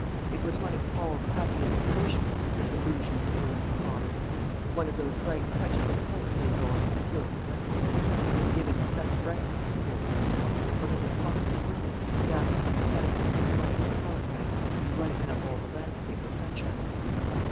It was one of Paul's happy inspirations, this allusion to Belinda's father; one of those bright touches of colour laid on with a skilful recklessness, and giving sudden brightness to the whole picture; a little spot of vermilion dabbed upon the canvas with the point of the palette knife, and lighting up all the landscape with sunshine.